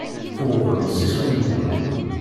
Tuwḍem s iswi-nwen.